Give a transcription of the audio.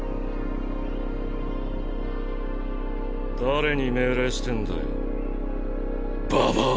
誰に命令してんだよばばあ。